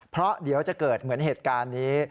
เพราะเดี๋ยวจะเกิดเหมือนเหตุการณ์นี้